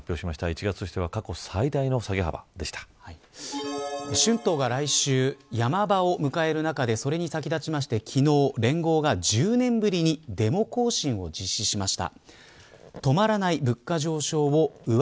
１月としては春闘が来週ヤマ場を迎える中でそれに先立ちまして昨日、連合が１０年ぶりにデモ行進を実施しました。